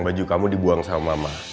baju kamu dibuang sama mama